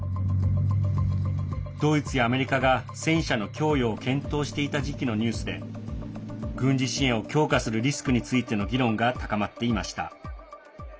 ドイツやアメリカが戦車の供与を検討していた時期のニュースで軍事支援を強化するリスクについての議論が高まっていました。